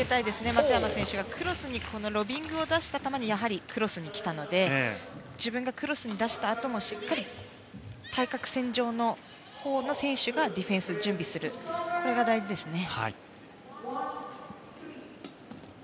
松山選手がクロスにロビングを出した球にやはりクロスに来たので自分がクロスに出したあともしっかりと対角線上のほうの選手がディフェンスの準備をすることが大事ですね。